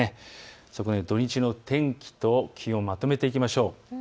そこで土日の天気と気温をまとめていきましょう。